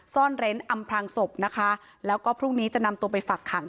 ซ่อนเร้นอำพลางศพนะคะแล้วก็พรุ่งนี้จะนำตัวไปฝักขัง